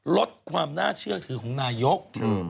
ลดความน่าเชื่อถือของนายก